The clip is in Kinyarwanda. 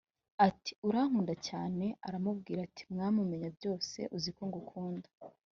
Ati urankunda cyane Aramubwira ati Mwami umenya byose uziko ngukunda